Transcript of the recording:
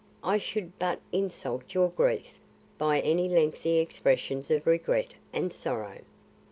I should but insult your grief by any lengthy expressions of regret and sorrow."